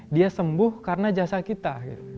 dia sembuh karena jasa kita